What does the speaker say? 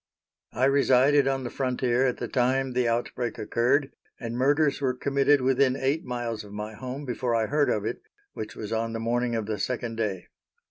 I resided on the frontier at the time the outbreak occurred, and murders were committed within eight miles of my home before I heard of it, which was on the morning of the second day.